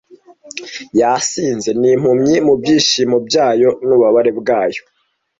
yasinze nimpumyi mubyishimo byayo nububabare bwayo.